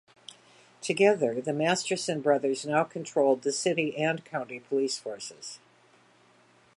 Together, the Masterson brothers now controlled the city and county police forces.